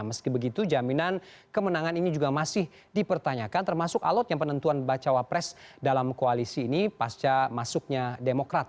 meski begitu jaminan kemenangan ini juga masih dipertanyakan termasuk alatnya penentuan bacawa pres dalam koalisi ini pasca masuknya demokrat